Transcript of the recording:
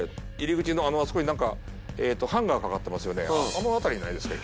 あの辺りないですか？